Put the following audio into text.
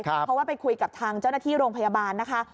เพราะว่าไปคุยกับทางเจ้าหน้าที่โรงพยาบาลนะคะ